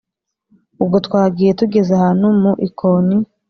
ubwo twagiye tugeze ahantu mu ikoni